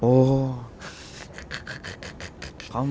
โอ้โห